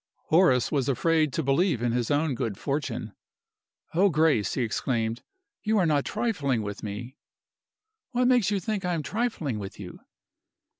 Horace was afraid to believe in his own good fortune. "Oh, Grace!" he exclaimed, "you are not trifling with me?" "What makes you think I am trifling with you?"